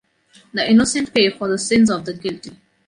The innocent pay for the sins of the guilty.